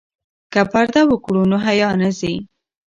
که پرده وکړو نو حیا نه ځي.